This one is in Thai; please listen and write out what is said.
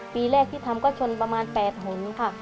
ปีแรกที่ทำก็ชนประมาณ๘หนค่ะ